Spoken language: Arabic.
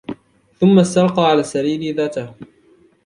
ثم استلقى على السرير ذاته.